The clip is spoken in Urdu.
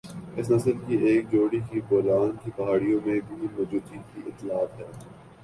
اس نسل کی ایک جوڑی کی بولان کے پہاڑیوں میں بھی موجودگی کی اطلاعات ہے